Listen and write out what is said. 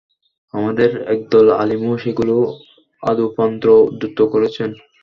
আমাদের একদল আলিমও সেগুলো আদ্যোপান্ত উদ্ধৃত করেছেন।